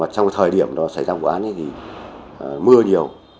trong thời điểm xảy ra vụ án mưa nhiều